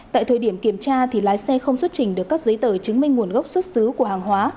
tại thời điểm kiểm tra thì lái xe không xuất trình được các giấy tờ chứng minh nguồn gốc xuất xứ của hàng hóa